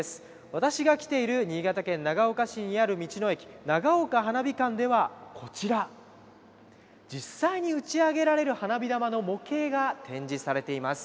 私が来ている新潟県長岡市にある道の駅ながおか花火館ではこちら実際に打ち上げられる花火玉の模型が展示されています。